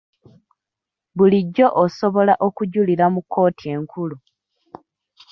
Bulijjo osobola okujulira mu kkooti enkulu.